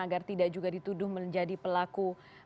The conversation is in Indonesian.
agar tidak juga dituduh menjadi pelaku